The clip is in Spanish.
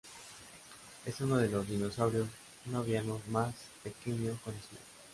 Es uno de los dinosaurios no avianos más pequeño conocido.